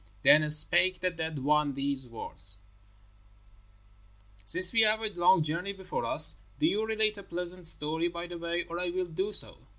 Then spake the dead one these words, "Since we have a long journey before us, do you relate a pleasant story by the way, or I will do so."